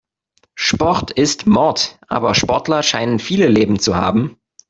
Sport ist Mord, aber Sportler scheinen viele Leben zu haben.